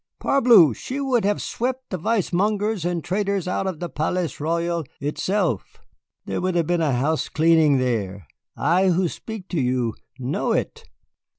Parbleu, she would have swept the vicemongers and traitors out of the Palais Royal itself. There would have been a house cleaning there. I, who speak to you, know it."